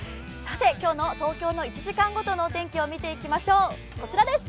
今日の東京の１時間ごとのお天気を見ていきましょう。